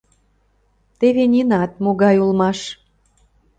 — Теве Нинат могай улмаш!